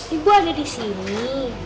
ibu ada di sini